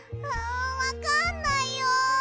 わかんないよ！